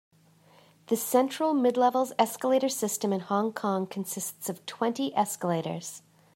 The Central-Midlevels escalator system in Hong Kong consists of twenty escalators.